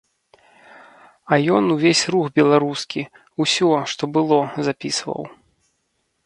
А ён увесь рух беларускі, усё, што было, запісваў.